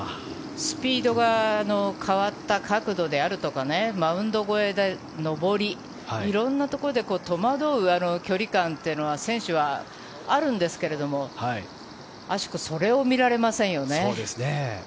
スピードが変わった角度であるとかマウンド越えで上り色んなところで戸惑う距離感は選手はあるんですけどアショクはそれが見られませんよね。